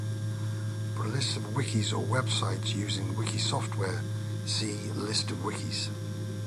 For a list of wikis, or websites using wiki software, see List of wikis.